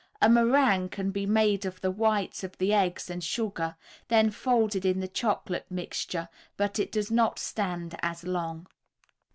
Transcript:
A meringue can be made of the whites of the eggs and sugar, then folded in the chocolate mixture, but it does not stand as long.